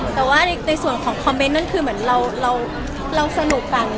แต่ว่าในส่วนของคอมเมนต์นั่นคือเหมือนเราสนุกกัน